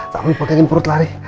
sambil pegangin perut lari